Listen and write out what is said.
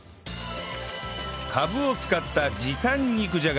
カブを使った時短肉じゃが